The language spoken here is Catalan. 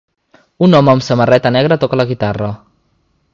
Un home amb samarreta negra toca la guitarra.